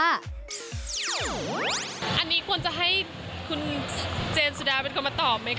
อันนี้ควรจะให้คุณเจนสุดาเป็นคนมาตอบไหมค